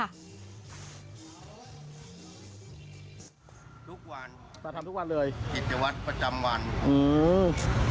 ทุกวันใช่ค่ะทำทั้งทุกวันเลยยิจจันทร์วัดประจำวันอือ